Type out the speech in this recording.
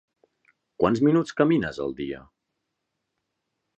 Quants minuts camines al dia?